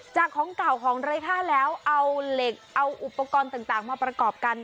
ของเก่าของไร้ค่าแล้วเอาเหล็กเอาอุปกรณ์ต่างมาประกอบกัน